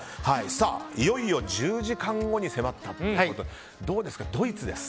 いよいよ１０時間後に迫ったということでどうですか、ドイツです。